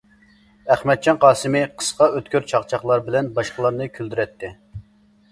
ئەخمەتجان قاسىمى قىسقا ئۆتكۈر چاقچاقلار بىلەن باشقىلارنى كۈلدۈرەتتى.